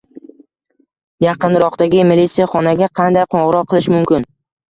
Yaqinroqdagi militsiyaxonaga qanday qo'ng’iroq qilish mumkin?